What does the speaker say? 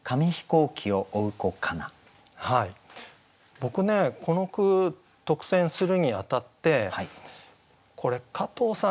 僕ねこの句特選するにあたってこれ加藤さん